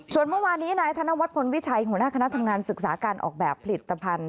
ส่วนเมื่อวานนี้นายธนวัฒนพลวิชัยหัวหน้าคณะทำงานศึกษาการออกแบบผลิตภัณฑ์